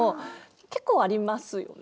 結構ありますよね。